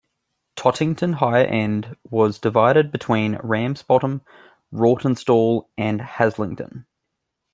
Tottington Higher End was divided between Ramsbottom, Rawtenstall and Haslingden.